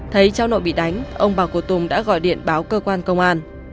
thấy trao nội bị đánh ông bà của tùng đã gọi điện báo cơ quan công an